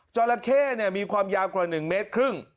จัวละเข้มีความยาวกว่า๑๕เมตร